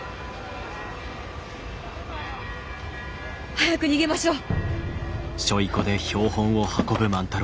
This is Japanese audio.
早く逃げましょう！